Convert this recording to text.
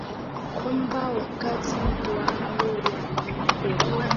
kwamba wakati wao walipoandika alikuwa na wafuasi huko Roma